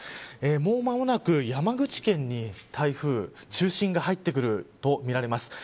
もう間もなく、山口県に台風の中心が入ってくるとみられます。